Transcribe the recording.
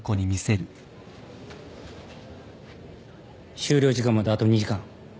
終了時間まであと２時間。